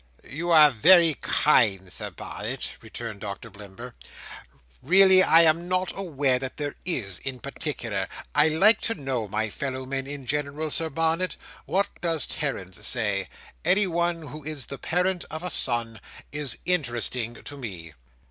"You are very kind, Sir Barnet," returned Doctor Blimber. "Really I am not aware that there is, in particular. I like to know my fellow men in general, Sir Barnet. What does Terence say? Anyone who is the parent of a son is interesting to me."